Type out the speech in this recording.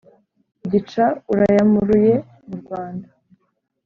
gica urayamuruye mu rwanda!